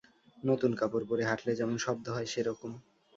নতুন কাপড় পরে হাঁটলে যেমন শব্দ হয়, সে-রকম।